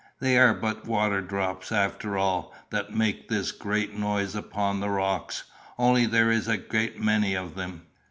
"They are but water drops, after all, that make this great noise upon the rocks; only there is a great many of them."